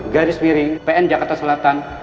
garis miring pn jakarta selatan